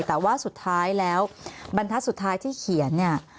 แต่ว่าสุดท้ายแล้วบรรทัศน์สุดท้ายที่เขียนเนี่ย